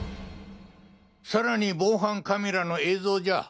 さらに防犯カメラの映像じゃ。